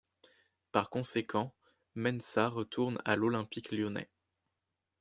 Par conséquent, Mensah retourne à l'Olympique lyonnais.